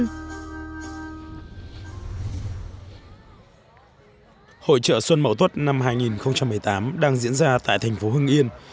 hội trợ xuân mậu tuất năm hai nghìn một mươi tám đang diễn ra tại thành phố hưng yên